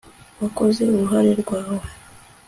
wakoze uruhare rwawe